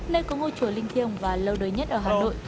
nơi có ngôi chùa linh thiêng và lâu đời nhất ở hà nội